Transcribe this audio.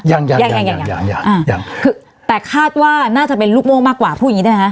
ยังยังยังยังยังอ่าคือแต่คาดว่าน่าจะเป็นลูกโม้มากกว่าพวกนี้ได้ไหมฮะ